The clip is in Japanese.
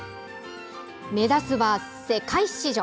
目指すは世界市場。